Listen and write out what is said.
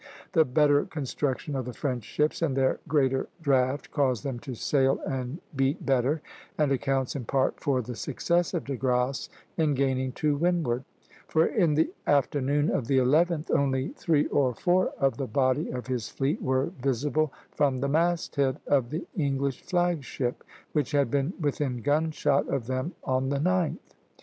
The better construction of the French ships and their greater draught caused them to sail and beat better, and accounts in part for the success of De Grasse in gaining to windward; for in the afternoon of the 11th only three or four of the body of his fleet were visible from the mast head of the English flag ship, which had been within gunshot of them on the 9th.